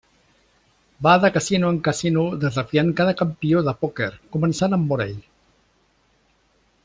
Va de casino en casino, desafiant cada campió de pòquer, començant amb Morell.